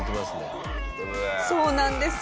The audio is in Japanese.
そうなんです。